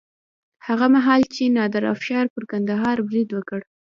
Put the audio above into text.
هغه مهال چې نادر افشار پر کندهار برید وکړ.